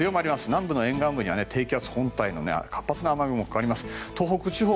南部の沿岸部には低気圧本体が活発な雨雲がかかります。